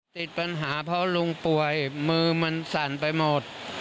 ติดปัญหาเพราะลุงป่วยมือมันสั่นไปหมด